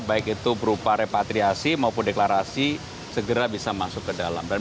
baik itu berupa repatriasi maupun deklarasi segera bisa masuk ke dalam